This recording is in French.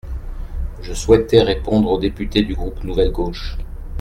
Je souhaitais répondre aux députés du groupe Nouvelle Gauche.